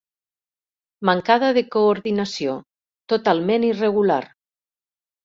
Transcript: Mancada de coordinació, totalment irregular.